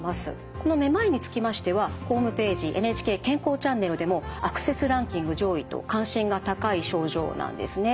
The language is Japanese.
このめまいにつきましてはホームページ「ＮＨＫ健康チャンネル」でもアクセスランキング上位と関心が高い症状なんですね。